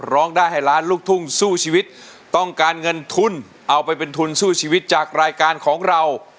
ร้องได้ให้ล้านลูกทุ่งสู้ชีวิตต้องการเงินทุนเอาไปเป็นทุนสู้ชีวิตจากรายการของเรา